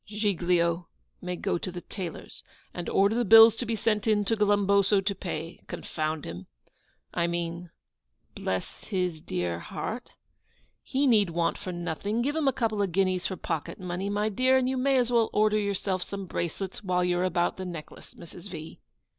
'Giglio may go to the tailor's, and order the bills to be sent in to Glumboso to pay. Confound him! I mean bless his dear heart. He need want for nothing; give him a couple of guineas for pocket money, my dear; and you may as well order yourself bracelets while you are about the necklace, Mrs. V.